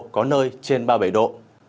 có nơi trên ba mươi bảy độ